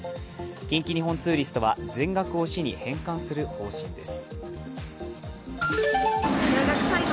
近畿日本ツーリストは全額を市に返還する方針です。